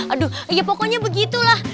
aduh ya pokoknya begitulah